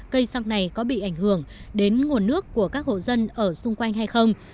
cây xăng này có bị ảnh hưởng đến nguồn nước của các hộ dân ở xung quanh hay không